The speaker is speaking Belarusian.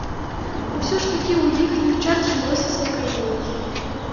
Усё ж такі ў іхні час жылося спакайней!